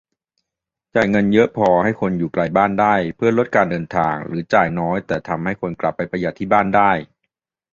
จ่ายเยอะพอให้คนอยู่ไกลบ้านได้เพื่อลดการเดินทาง หรือ จ่ายน้อยแต่ให้คนกลับไปประหยัดที่บ้านได้